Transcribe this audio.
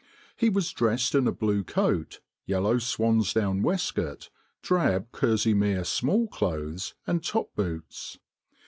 He was dressed in a blue coat, yellow swan's down waistcoat, drab kerseymere small clothes, and top boots.